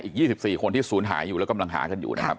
อีกยี่สิบสี่คนที่ศูนย์หายอยู่แล้วกำลังหากันอยู่นะครับค่ะ